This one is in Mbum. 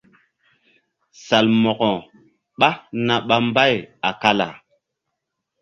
Salmo̧ko ɓá na ɓa mbay a kala.